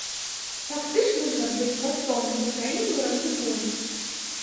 Фактычных жа беспрацоўных у краіне ў разы больш.